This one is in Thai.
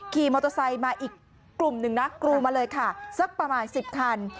ขี่มอเตอร์ไซค์มาอีกกลุ่มหนึ่งนะกรูมาเลยค่ะสักประมาณ๑๐คัน